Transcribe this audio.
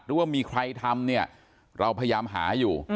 หรือว่ามีใครทำเนี่ยเราพยายามหาอยู่